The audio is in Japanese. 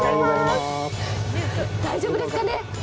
大丈夫ですかね。